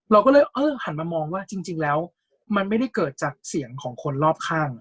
เราก็เลยเออหันมามองว่าจริงแล้วมันไม่ได้เกิดจากเสียงของคนรอบข้าง